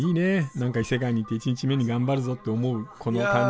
何か異世界に行って１日目に頑張るぞって思うこの感じ。